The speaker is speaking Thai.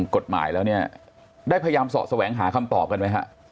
กฎหมายแล้วเนี่ยได้พยายามเสาะแสวงหาคำตอบกันไหมฮะ